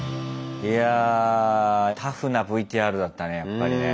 いやあタフなＶＴＲだったねやっぱりね。